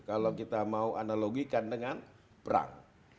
kalau kita mau analogikan dengan perang